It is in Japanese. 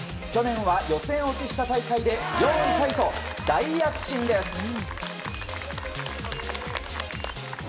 去年は予選落ちした大会で４位タイと大躍進です。